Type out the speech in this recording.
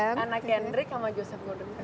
terus anna kendrick sama joseph gordon